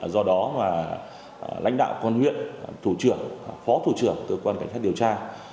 do đó là lãnh đạo quân huyện thủ trưởng phó thủ trưởng tư quan cảnh sát điều tra